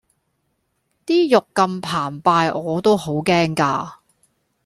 啲肉咁澎湃我都好驚㗎